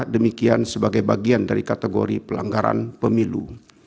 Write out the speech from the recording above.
demikian sebagai bagian dari kategori pelanggaran pemilu